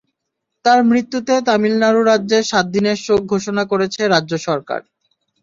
তাঁর মৃত্যুতে তামিলনাড়ু রাজ্যে সাত দিনের শোক ঘোষণা করেছে রাজ্য সরকার।